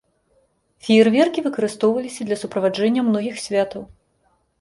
Феерверкі выкарыстоўваліся для суправаджэння многіх святаў.